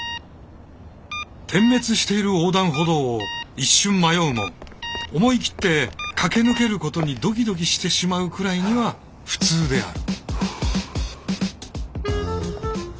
点滅している横断歩道を一瞬迷うも思い切って駆け抜けることにドキドキしてしまうくらいにはフツーである。